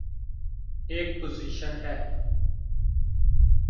ایک پوزیشن ہے۔